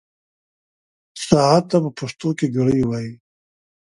ساعت ته په پښتو کې ګړۍ وايي.